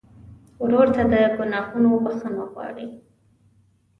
ورور ته د ګناهونو بخښنه غواړې.